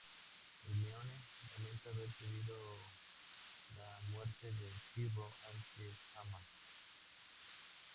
Hermione lamenta haber pedido la muerte de Pirro, al que ama.